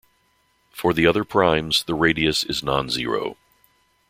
For the other primes the radius is non-zero.